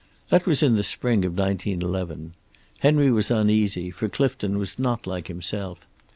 "That was in the spring of 1911. Henry was uneasy, for Clifton was not like himself.